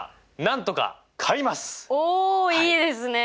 おおいいですね！